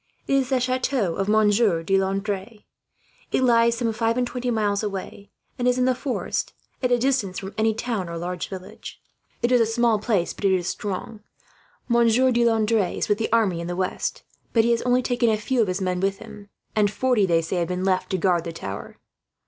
It is the chateau of Monsieur de Landres. It lies some five and twenty miles away, and is in the forest, at a distance from any town or large village. It is a small place, but is strong. Monsieur de Landres is with the army in the west, but he has only taken a few of his men with him; and forty, they say, have been left to guard the tower.